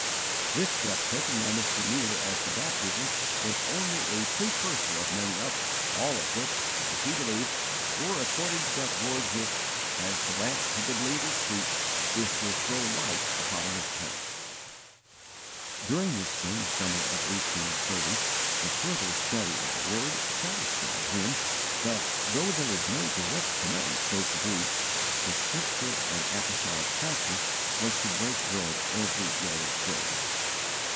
9 13. This step, taken by Mr. Muller as to baptism, was only a precursor of many others, all of which, as he believed, were according to that Word which, as the lamp to the believer's feet, is to throw light upon his path. During this same summer of 1830 the further study of the Word satisfied him that, though there is no direct command so to do, the scriptural and apostolic practice was to _break bread every Lord's day.